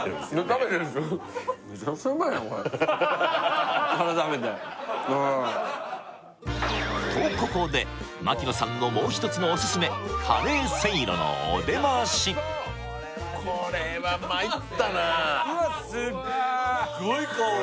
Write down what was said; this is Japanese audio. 食べてるんですよとここで槙野さんのもう一つのオススメカレーせいろのおでましこれはまいったなうわっすっごい香り